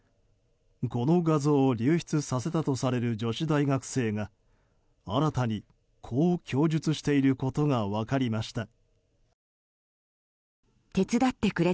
この画像を流出させたとされる女子大学生が新たに、こう供述していることが分かりました。